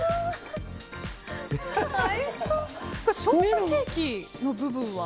ショートケーキの部分は？